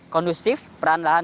kondusif peran lahan